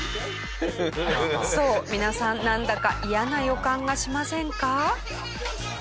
そう皆さんなんだか嫌な予感がしませんか？